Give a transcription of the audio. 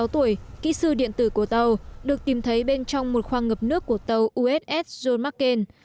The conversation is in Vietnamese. hai mươi sáu tuổi kỹ sư điện tử của tàu được tìm thấy bên trong một khoang ngập nước của tàu uss john mccain